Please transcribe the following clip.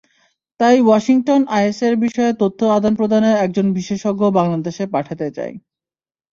তাই ওয়াশিংটন আইএসের বিষয়ে তথ্য আদান-প্রদানে একজন বিশেষজ্ঞ বাংলাদেশে পাঠাতে চায়।